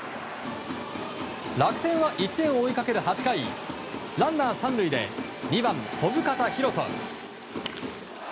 楽天は１点を追いかける８回ランナー３塁で２番、小深田大翔。